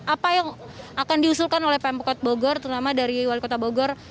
apa yang akan diusulkan oleh pemkot bogor terutama dari wali kota bogor